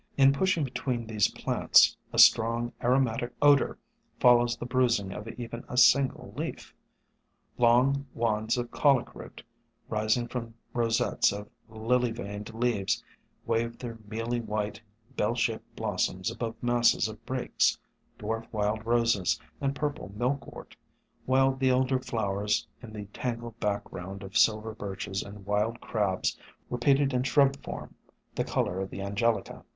In pushing between these plants, a strong aromatic odor follows the bruising of even a single leaf. Long wands of Colic root, rising from rosettes of lily veined leaves, waved their mealy white, bell shaped blossoms above masses of Brakes, dwarf Wild Roses, and Purple Milkwort, while the Elder Flowers in the tangled background of Silver Birches and Wild Crabs repeated in shrub form the color of the Angelica.